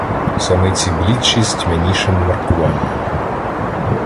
Самиці блідіші з тьмянішим маркуванням.